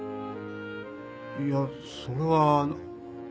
いやそれは。